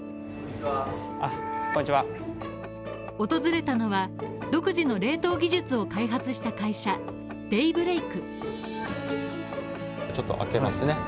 訪れたのは、独自の冷凍技術を開発した会社デイブレイク。